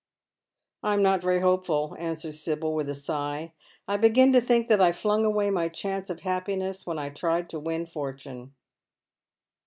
" I am not very hopeful," answers Sibyl, with a sigh. " I begin to think that I flung away my chance of happiness when I tried to win fortune."